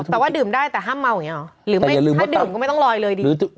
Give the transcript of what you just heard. ถ้าดื่มก็ไม่ต้องลอยเลยดิ